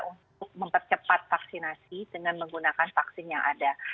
untuk mempercepat vaksinasi dengan menggunakan vaksin yang ada